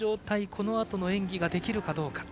このあとの演技ができるかどうか。